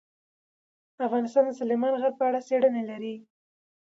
افغانستان د سلیمان غر په اړه څېړنې لري.